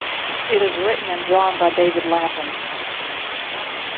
It is written and drawn by David Lapham.